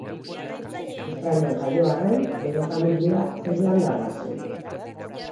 Australian jaio arren, bere familia irlandarra zen.